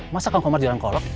masa kang komar jualan kolok